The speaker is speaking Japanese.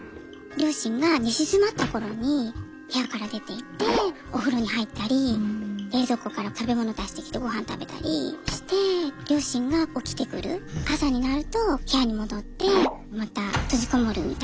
両親が寝静まった頃に部屋から出ていってお風呂に入ったり冷蔵庫から食べ物出してきてごはん食べたりして両親が起きてくる朝になると部屋に戻ってまた閉じこもるみたいな。